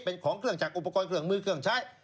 เป็นของเครื่องจักรอุปกรณ์เครื่องมือเครื่องใช้